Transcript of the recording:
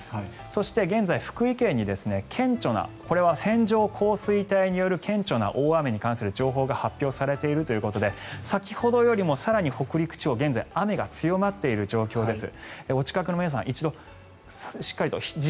そして、現在福井県にこれは線状降水帯による顕著な大雨情報が発表されているということで先ほどよりも更に北陸地方現在、雨が強まっている状況です。